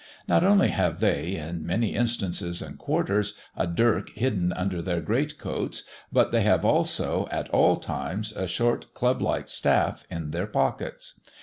Not only have they, in many instances and quarters, a dirk hidden under their great coats, but they have also, at all times, a short club like staff in their pockets.